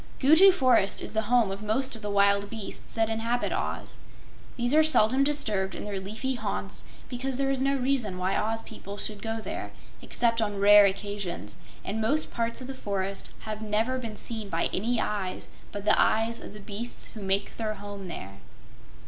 Gugu Forest is the home of most of the wild beasts that inhabit Oz. These are seldom disturbed in their leafy haunts because there is no reason why Oz people should go there, except on rare occasions, and most parts of the forest have never been seen by any eyes but the eyes of the beasts who make their home there.